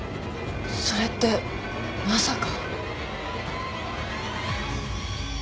それってまさか。